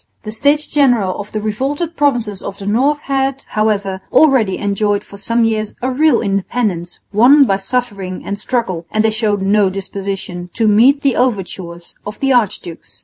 The States General of the revolted provinces of the north had, however, already enjoyed for some years a real independence won by suffering and struggle and they showed no disposition to meet the overtures of the archdukes.